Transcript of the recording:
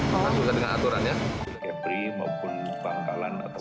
langsung saja dengan aturan ya